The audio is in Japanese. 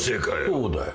そうだよ。